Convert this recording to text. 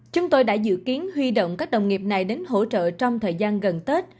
chúng tôi đã dự kiến huy động các đồng nghiệp này đến hỗ trợ trong thời gian gần tết